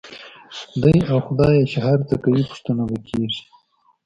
دی او خدای یې چې هر څه کوي، پوښتنه به کېږي.